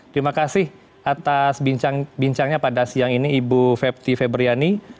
terima kasih atas bincangnya pada siang ini ibu fepti febriani